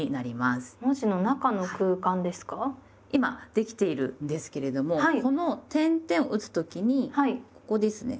今できているんですけれどもこの点々を打つ時にここですね。